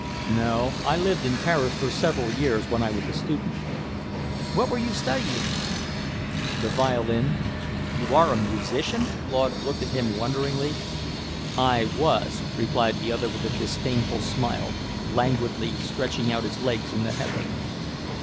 "No. I lived in Paris for several years when I was a student." "What were you studying?" "The violin." "You are a musician?" Claude looked at him wonderingly. "I was," replied the other with a disdainful smile, languidly stretching out his legs in the heather.